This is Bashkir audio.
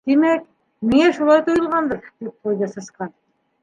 — Тимәк, миңә шулай тойолғандыр, — тип ҡуйҙы Сысҡан.